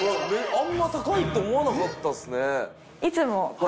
あんま高いって思わなかったですね。